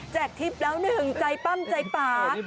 แจกทิพย์แล้วหนึ่งใจปั้้มใจปาก